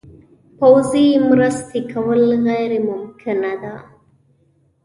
پوځي مرستې کول غیر ممکنه ده.